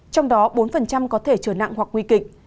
trong đó bốn có thể trở nặng hoặc nguy kịch